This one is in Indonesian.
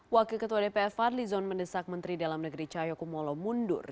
wakil ketua dpr fadli zon mendesak menteri dalam negeri cahayokumolo mundur